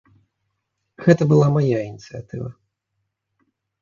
Гэта была мая ініцыятыва.